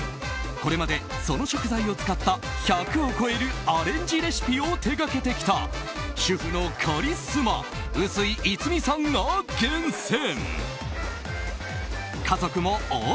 これまでその食材を使った１００を超えるアレンジレシピを手掛けてきた主婦のカリスマ臼井愛美さんが厳選。